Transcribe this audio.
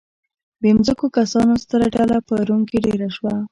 بې ځمکو کسانو ستره ډله په روم کې دېره شوه